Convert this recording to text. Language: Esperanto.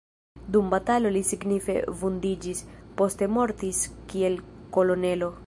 Dum batalo li signife vundiĝis, poste mortis kiel kolonelo.